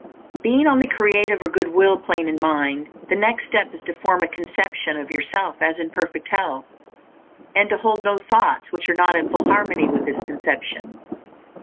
[A] The Science of Getting Rich. Being on the Creative or Good Will plane in mind, the next step is to form a conception of yourself as in perfect health, and to hold no thoughts which are not in full harmony with this conception.